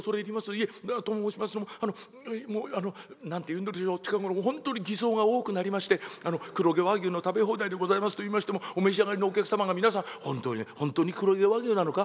いえと申しますのも何ていうんでしょう近頃本当に偽装が多くなりまして黒毛和牛の食べ放題でございますといいましてもお召し上がりのお客様が皆さん本当に本当に黒毛和牛なのか？